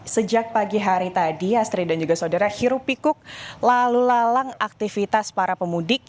sejak pagi hari tadi astri dan juga saudara hirup pikuk lalu lalang aktivitas para pemudik